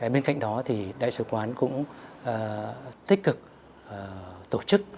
bên cạnh đó đại sứ quán cũng tích cực tổ chức